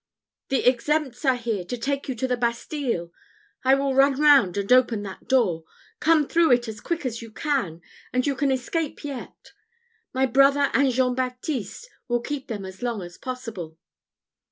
The exempts are here to take you to the Bastille. I will run round and open that door. Come through it as quick as you can, and you can escape yet. My brother and Jean Baptiste will keep them as long as possible."